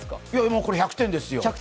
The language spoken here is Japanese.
これ、もう１００点ですね。